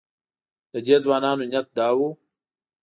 د دې ځوانانو نیت دا و.